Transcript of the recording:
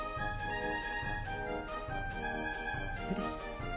うれしい？